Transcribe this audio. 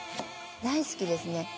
大好きですね。